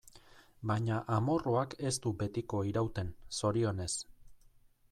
Baina amorruak ez du betiko irauten, zorionez.